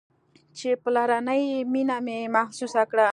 چې پلرنۍ مينه مې محسوسه كړه.